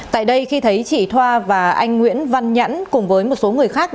tại đây khi thấy chị thoa và anh nguyễn văn nhẫn cùng với một số người khác